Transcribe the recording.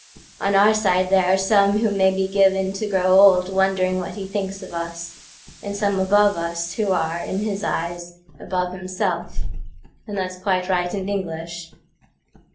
On our side there are some who may be givenTo grow old wondering what he thinks of usAnd some above us, who are, in his eyes, Above himself,—and that's quite right and English.